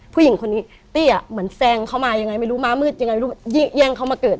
ผู้หญิงคนนี้ตี้อ่ะเหมือนแซงเขามายังไงไม่รู้ม้ามืดยังไงไม่รู้แย่งเขามาเกิด